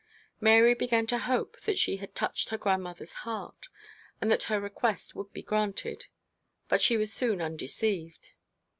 Mary began to hope that she had touched her grandmother's heart, and that her request would be granted: but she was soon undeceived.